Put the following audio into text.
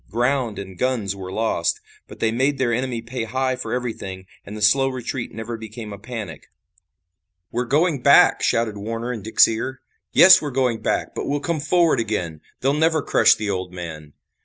Ground and guns were lost, but they made their enemy pay high for everything, and the slow retreat never became a panic. "We're going back," shouted Warner in Dick's ear. "Yes, we're going back, but we'll come forward again. They'll never crush the old man."